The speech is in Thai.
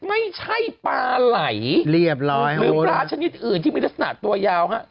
ไม่ใช่ปลาไหล่หรือปลาชนิดอื่นที่มีลักษณะตัวยาว